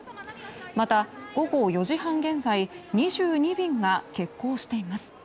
また、午後４時半現在２２便が欠航しています。